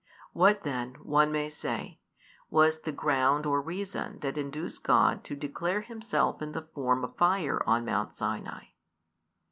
What then, one may say, was the ground or reason that induced God to declare Himself in the form of fire on Mount Sinai?